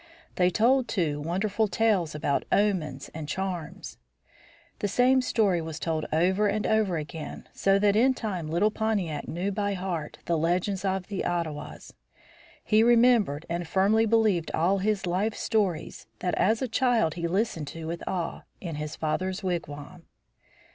They told, too, wonderful tales about omens and charms. The same story was told over and over again, so that in time little Pontiac knew by heart the legends of the Ottawas. He remembered and firmly believed all his life stories that as a child he listened to with awe, in his father's wigwam.